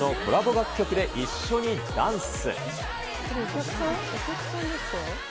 楽曲で一緒にダンス。